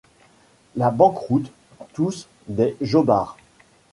La banqueroute ! tous des jobards !